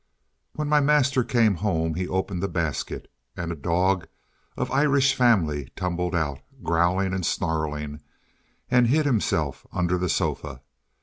When my master came home, he opened the basket, and a dog of Irish family tumbled out, growling and snarling, and hid himself under the sofa.